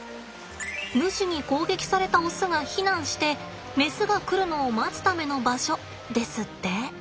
ヌシに攻撃されたオスが避難してメスが来るのを待つための場所ですって。